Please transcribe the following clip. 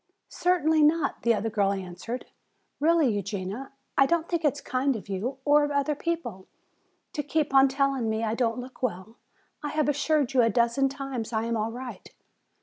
"Certainly not," the other girl answered. "Really, Eugenia, I don't think it kind of you, or of other people, to keep on telling me I don't look well. I have assured you a dozen times I am all right.